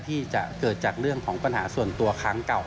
ที่จะเกิดจากเรื่องของปัญหาส่วนตัวครั้งเก่า